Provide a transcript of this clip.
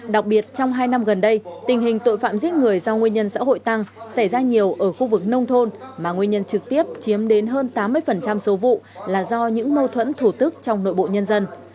đặc biệt trong hai năm gần đây tình hình tội phạm giết người do nguyên nhân xã hội tăng xảy ra nhiều ở khu vực nông thôn mà nguyên nhân trực tiếp chiếm đến hơn tám mươi số vụ là do những mâu thuẫn thủ tức trong nội bộ nhân dân